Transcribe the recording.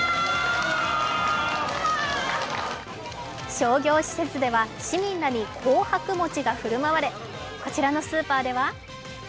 商業施設では市民らに紅白餅が振る舞われこちらのスーパーでは。